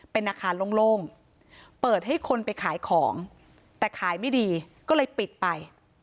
เป็นอาคารโล่งเปิดให้คนไปขายของแต่ขายไม่ดีก็เลยปิดไป